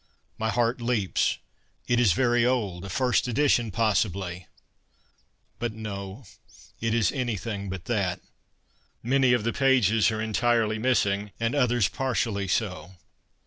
My heart leaps ; it is very old — a first edition possibly ! But no, it is anything but that. ... Many of the pages are entirely missing, and others partially so.